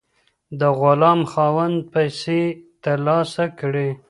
د غلام خاوند پیسې ترلاسه کړې.